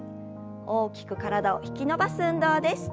大きく体を引き伸ばす運動です。